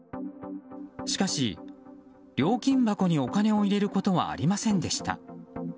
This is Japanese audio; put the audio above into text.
しかし、料金箱にお金を入れることはありませんでした。